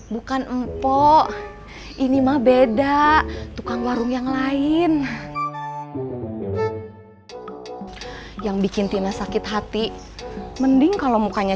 bukan empuk ini mah beda tukang warung yang lain yang bikin tina sakit hati mending kalau mukanya